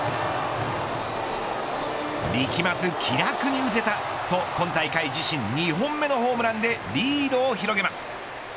力まず気楽に打てたと、今大会自身２本目のホームランでリードを広げます。